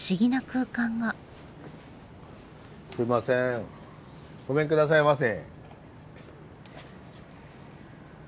すいませんごめんくださいませ。